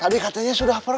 tadi katanya sudah pergi